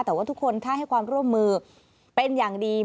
แต่ว่าทุกคนถ้าให้ความร่วมมือเป็นอย่างดี